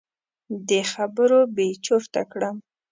دې خبرو بې چرته کړم.